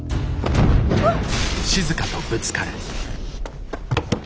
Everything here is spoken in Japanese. あっ！